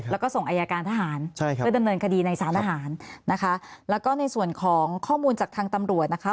แล้วก็ส่งอายการทหารใช่ครับเพื่อดำเนินคดีในสารทหารนะคะแล้วก็ในส่วนของข้อมูลจากทางตำรวจนะคะ